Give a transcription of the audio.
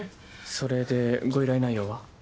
それでご依頼内容は？